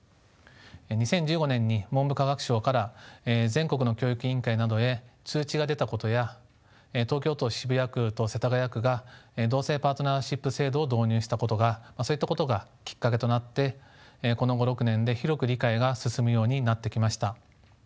２０１５年に文部科学省から全国の教育委員会などへ通知が出たことや東京都渋谷区と世田谷区が同性パートナーシップ制度を導入したことがそういったことがきっかけとなってこの５６年で広く理解が進むようになってきました。